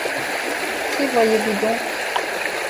Qui voyez-vous donc ?